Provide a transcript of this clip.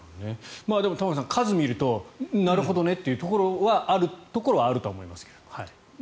でも玉川さん、数を見るとなるほどねというところはあるところはあると思いますが。